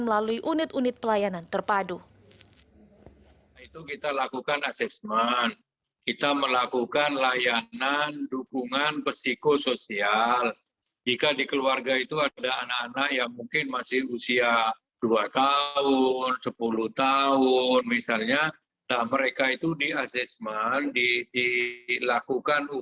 melalui unit unit pelayanan terpadu